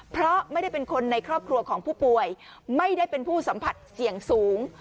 เพราะไม่ได้เป็นคนในครอบครัวของผู้ป่วยไม่ได้เป็นผู้สัมผัสเสี่ยงสูง